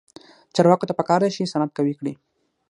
چارواکو ته پکار ده چې، صنعت قوي کړي.